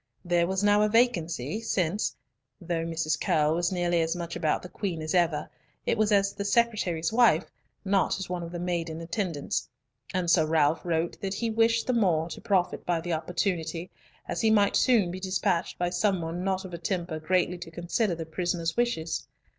There was now a vacancy since, though Mrs. Curll was nearly as much about the Queen as ever, it was as the secretary's wife, not as one of the maiden attendants; and Sir Ralf wrote that he wished the more to profit by the opportunity, as he might soon be displaced by some one not of a temper greatly to consider the prisoner's wishes.